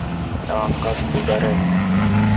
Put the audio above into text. Яланғас ҡулдары менән